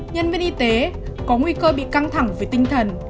nhân viên y tế có nguy cơ bị căng thẳng về tinh thần